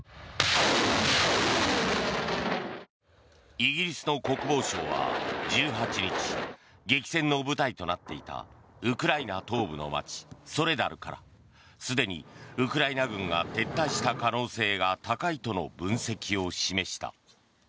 イギリスの国防省は１８日激戦の舞台となっていたウクライナ東部の街ソレダルからすでにウクライナ軍が撤退した可能性が高いとの分析を示した。